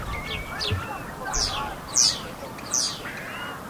o د تورو شپو پر تك تور تخت باندي مــــــا؛